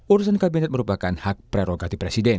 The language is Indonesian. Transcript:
urusan kabinet merupakan hak prerogatif presiden